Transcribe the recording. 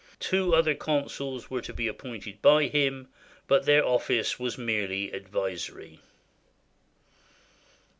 Two other consuls were to be appointed by him, but their office was merely advisory.